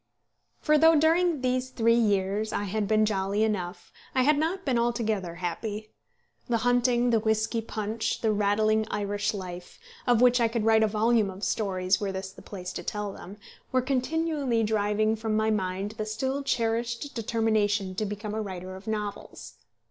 For though during these three years I had been jolly enough, I had not been altogether happy. The hunting, the whisky punch, the rattling Irish life, of which I could write a volume of stories were this the place to tell them, were continually driving from my mind the still cherished determination to become a writer of novels.